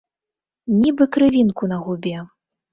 Нібы крывінку на губе.